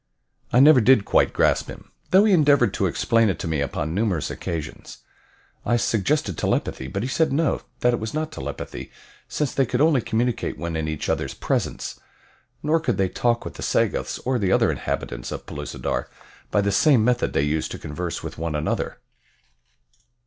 I never did quite grasp him, though he endeavored to explain it to me upon numerous occasions. I suggested telepathy, but he said no, that it was not telepathy since they could only communicate when in each others' presence, nor could they talk with the Sagoths or the other inhabitants of Pellucidar by the same method they used to converse with one another.